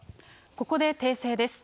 ここで訂正です。